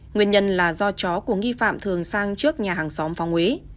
nguyên nhân là do chó của nghi phạm thường sang trước nhà hàng xóm phóng úy